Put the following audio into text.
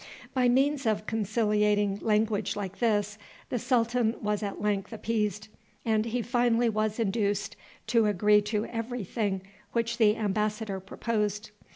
By means of conciliating language like this the sultan was at length appeased, and he finally was induced to agree to every thing which the embassador proposed.